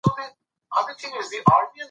کجکی د هلمند يوه مهمه ولسوالي ده